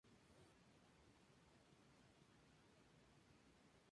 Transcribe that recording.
Su descubrimiento como cantante sucede por casualidad y es llamada para hacer unas pruebas.